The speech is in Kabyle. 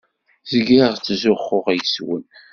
Zgiɣ ttzuxxuɣ yes-wen.